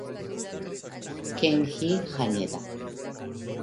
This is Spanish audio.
Kenji Haneda